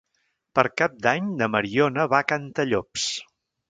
Per Cap d'Any na Mariona va a Cantallops.